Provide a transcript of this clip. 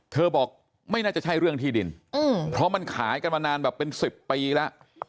เธอบอกไม่น่าจะใช่เรื่องที่ดินเพราะมันขายกันมานานแบบเป็น๑๐ปีแล้ว